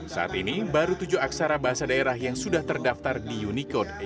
saat ini baru tujuh aksara bahasa daerah yang sudah terdaftar di unicode